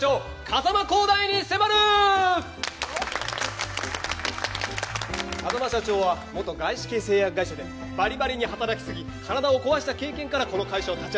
風間社長は元外資系製薬会社でばりばりに働き過ぎ体を壊した経験からこの会社をたちあげたんですよね。